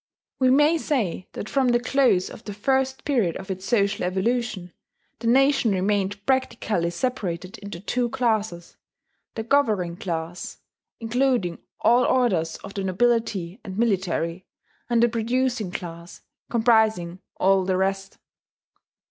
We may say that from the close of the First Period of its social evolution, the nation remained practically separated into two classes: the governing class, including all orders of the nobility and military; and the producing class, comprising all the rest.